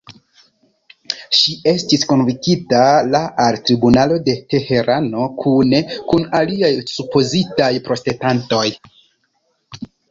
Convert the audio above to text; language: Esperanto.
Ŝi estis kunvokita la al tribunalo de Teherano kune kun aliaj supozitaj protestantoj.